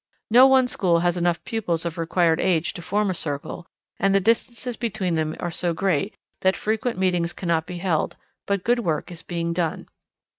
No one school has enough pupils of required age to form a circle, and the distances between them are so great that frequent meetings cannot be held, but good work is being done.